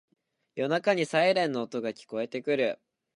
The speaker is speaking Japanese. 夜中にサイレンの音が聞こえてくる